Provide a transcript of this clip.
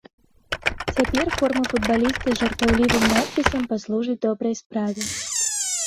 Цяпер форма футбаліста з жартаўлівым надпісам паслужыць добрай справе.